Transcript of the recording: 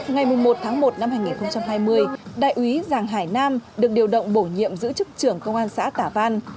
ngày một tháng một năm hai nghìn hai mươi đại úy giảng hải nam được điều động bổ nhiệm giữ chức trưởng công an xã tả văn